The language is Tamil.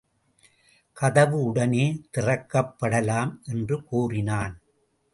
கதவு உடனே திறக்கப் படலாம் என்று கூறினான்.